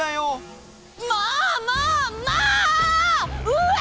うわ！